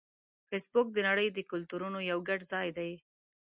فېسبوک د نړۍ د کلتورونو یو ګډ ځای دی